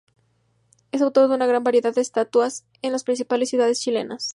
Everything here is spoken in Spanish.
Es autor de una gran variedad de estatuas en las principales ciudades chilenas.